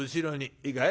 いいかい？